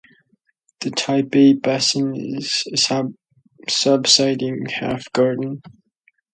The Taipei Basin is a subsiding half-graben.